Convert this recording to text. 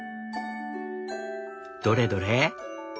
どれどれ？